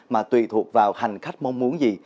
mà tùy thuộc vào hành khách mong muốn gì